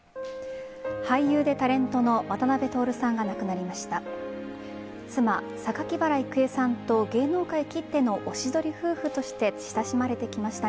俳優でタレントの渡辺徹さんが亡くなりました。